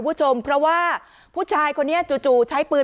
เพราะว่าผู้ชายคนนี้จู่ใช้ปืน